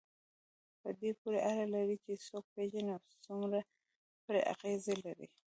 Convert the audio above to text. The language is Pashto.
په دې پورې اړه لري چې څوک پېژنئ او څومره پرې اغېز لرئ.